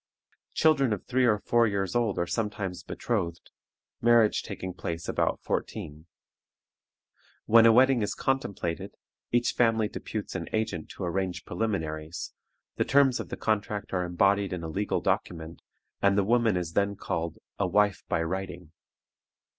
Children of three or four years old are sometimes betrothed, marriage taking place about fourteen. When a wedding is contemplated, each family deputes an agent to arrange preliminaries, the terms of the contract are embodied in a legal document, and the woman is then called "a wife by writing."